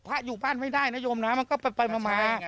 อยู่บ้านไม่ได้นะโยมนะมันก็ไปมา